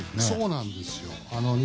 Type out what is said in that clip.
そうなんですよ。